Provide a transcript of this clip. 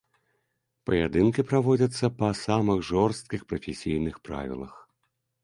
Паядынкі праводзяцца па самых жорсткіх прафесійных правілах.